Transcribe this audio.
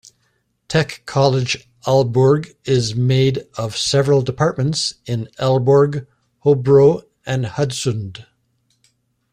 Tech College Aalborg is made of several departments in Aalborg, Hobro and Hadsund.